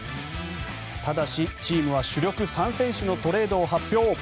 ただし、チームは主力３選手のトレードを発表。